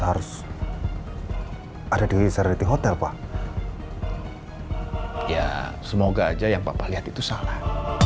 terus ada di sereti hotel pak ya semoga aja yang papa lihat itu salah